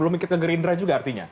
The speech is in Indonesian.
belum mikir ke gerindra juga artinya